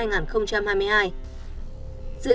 giữa các quan điều tra